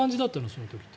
その時って。